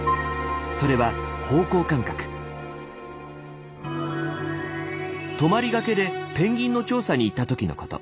それは泊まりがけでペンギンの調査に行った時のこと。